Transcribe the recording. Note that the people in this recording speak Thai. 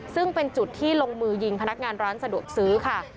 ซึ่งเป็นจุดที่ลงมือยิงพนักงานร้านสะดวกซื้อค่ะ